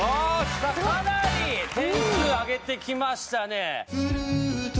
かなり点数上げて来ましたね。